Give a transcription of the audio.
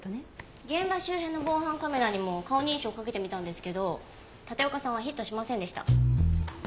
現場周辺の防犯カメラにも顔認証をかけてみたんですけど立岡さんはヒットしませんでした。